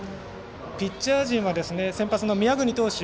ピッチャー陣は先発の宮國投手